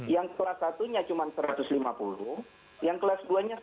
yang kelas satu nya cuma satu ratus lima puluh yang kelas dua nya seratus